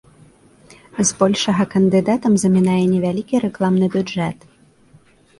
Збольшага, кандыдатам замінае невялікі рэкламны бюджэт.